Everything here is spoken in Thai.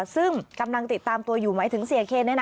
ซึ่งกำลังติดตามตัวอยู่หมายถึงเสียเคน